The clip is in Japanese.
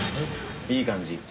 いい感じ。